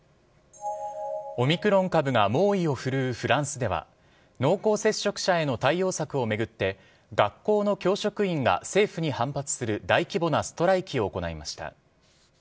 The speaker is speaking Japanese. オミクロン株が猛威を振るうフランスでは濃厚接触者への対応策を巡って学校の教職員が政府に反発する大規模なストライキを行いました。